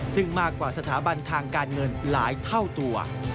ซึ่งมากกว่าสถาบันทางการเงินหลายเท่าตัว